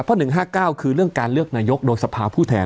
เพราะ๑๕๙คือเรื่องการเลือกนายกโดยสภาผู้แทน